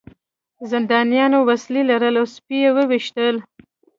زندانیانو وسلې لرلې او سپي یې وویشتل